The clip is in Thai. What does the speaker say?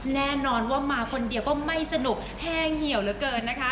แน่นอนว่ามาคนเดียวก็ไม่สนุกแห้งเหี่ยวเหลือเกินนะคะ